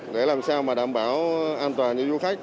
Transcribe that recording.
để làm sao mà đảm bảo an toàn cho du khách